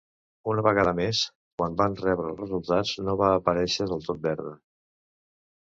Una vegada més, quan van rebre els resultats, no va aparèixer del tot verda.